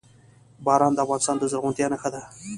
باران د افغانستان د زرغونتیا نښه ده.